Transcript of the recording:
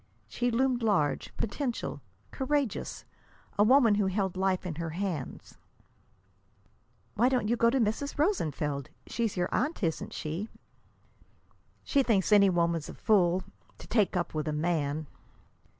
She loomed large, potential, courageous, a woman who held life in her hands. "Why don't you go to Mrs. Rosenfeld? She's your aunt, isn't she?" "She thinks any woman's a fool to take up with a man."